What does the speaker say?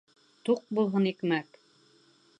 Туҡ булһын икмәк!